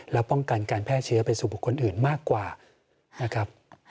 แล้วป้องกันการแพร่เชื้อไปสู่บุคคลอื่นมากกว่านะครับ